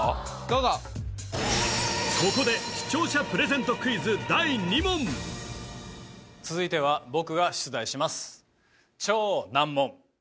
・どうぞここで視聴者プレゼントクイズ第２問続いては僕が出題します